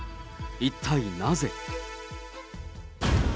一体なぜ。